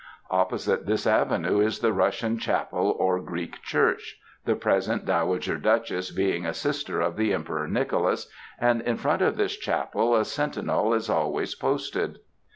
Opposite this avenue is the Russian chapel or Greek church the present Dowager Duchess being a sister of the Emperor Nicholas and in front of this chapel a sentinel is always posted.